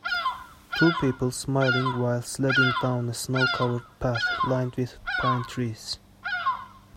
Two people smiling while sledding down a snow covered path lined with pine trees.